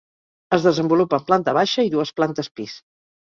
Es desenvolupa en planta baixa i dues plantes pis.